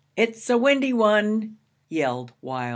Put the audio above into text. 'It's a windy one,' yelled Wild.